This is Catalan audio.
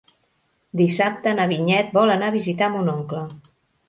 Dissabte na Vinyet vol anar a visitar mon oncle.